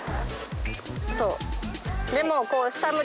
そう。